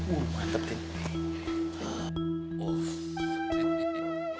uh mantep ini